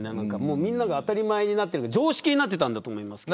みんなが当たり前になっていて常識になっていたんだと思います。